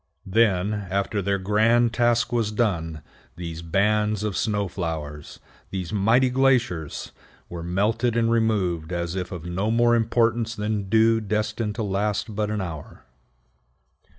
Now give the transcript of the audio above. Then, after their grand task was done, these bands of snow flowers, these mighty glaciers, were melted and removed as if of no more importance than dew destined to last but an hour.